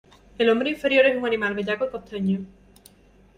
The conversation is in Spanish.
El hombre inferior es un animal bellaco y costeño.